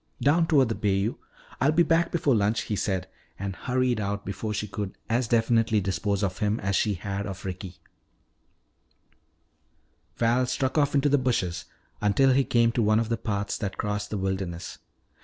"Down toward the bayou. I'll be back before lunch," he said, and hurried out before she could as definitely dispose of him as she had of Ricky. Val struck off into the bushes until he came to one of the paths that crossed the wilderness.